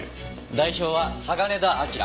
代表は嵯峨根田輝。